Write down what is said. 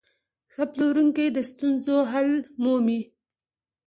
ښه پلورونکی د ستونزو حل مومي.